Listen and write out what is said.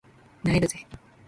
萎えるぜ